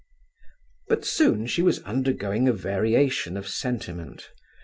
But soon she was undergoing a variation of sentiment.